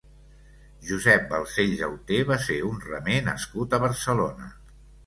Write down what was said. Josep Balcells Auter va ser un remer nascut a Barcelona.